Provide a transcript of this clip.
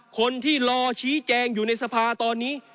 คนที่รอชี้แจงอยู่ในสภาตอนนี้